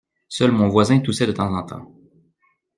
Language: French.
Seul mon voisin toussait de temps en temps.